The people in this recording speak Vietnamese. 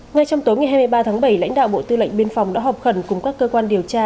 ngay trong tối ngày hai mươi ba tháng bảy lãnh đạo bộ tư lệnh biên phòng đã họp khẩn cùng các cơ quan điều tra